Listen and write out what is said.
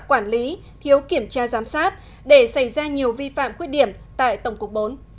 quản lý thiếu kiểm tra giám sát để xảy ra nhiều vi phạm khuyết điểm tại tổng cục bốn